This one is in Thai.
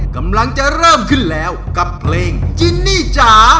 กำลังจะเริ่มขึ้นแล้วกับเพลงจินนี่จ๋า